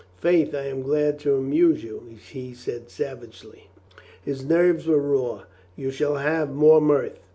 "Faith, I am glad to amuse you," he said savagely. His nerves were raw. "You shall have more mirth.